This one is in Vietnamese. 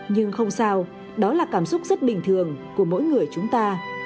nhưng không sao đó là cảm xúc rất bình thường của mỗi người chúng ta